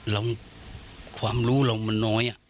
แล้วความรู้เรามันน้อย